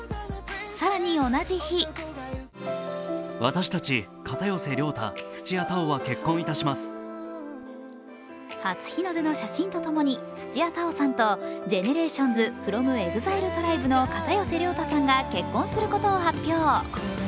更に同じ日初日の出の写真とともに土屋太鳳さんとＧＥＮＥＲＡＴＩＯＮＳｆｒｏｍＥＸＩＬＥＴＲＩＢＥの片寄涼太さんが結婚することを発表。